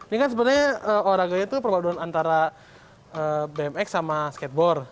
ini kan sebenarnya olahraganya itu perpaduan antara bmx sama skateboard